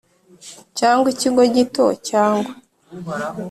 cyangwa ikigo gito cyangwa